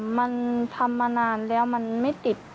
มันทำมานานแล้วมันไม่ติด